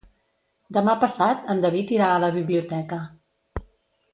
Demà passat en David irà a la biblioteca.